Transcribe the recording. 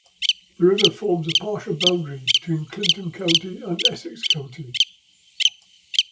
The river forms a partial boundary between Clinton County and Essex County.